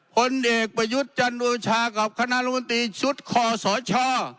ผลเอกประยุทธ์จันโอชากับคณะรมนตรีชุดคอสช